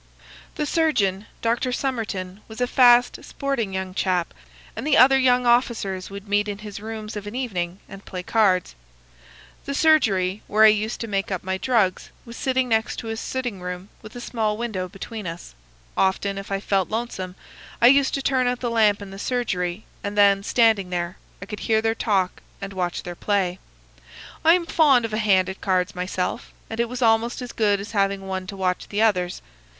"The surgeon, Dr. Somerton, was a fast, sporting young chap, and the other young officers would meet in his rooms of an evening and play cards. The surgery, where I used to make up my drugs, was next to his sitting room, with a small window between us. Often, if I felt lonesome, I used to turn out the lamp in the surgery, and then, standing there, I could hear their talk and watch their play. I am fond of a hand at cards myself, and it was almost as good as having one to watch the others.